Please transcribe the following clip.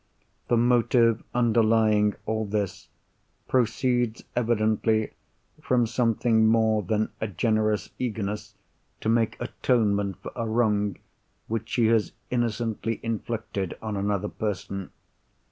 The motive underlying all this proceeds evidently from something more than a generous eagerness to make atonement for a wrong which she has innocently inflicted on another person.